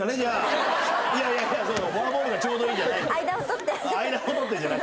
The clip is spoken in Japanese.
フォアボールがちょうどいいじゃない。